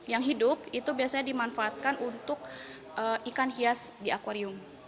yang hidup itu biasanya dimanfaatkan untuk ikan hias di akwarium